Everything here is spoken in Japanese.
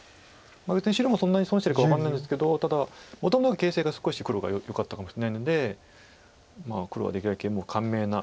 別に白もそんなに損してるか分かんないんですけどただもともと形勢が少し黒がよかったかもしれないので黒はできるだけもう簡明な。